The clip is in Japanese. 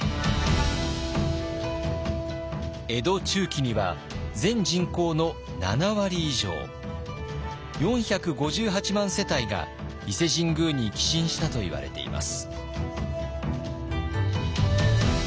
江戸中期には全人口の７割以上４５８万世帯が伊勢神宮に寄進したといわれています。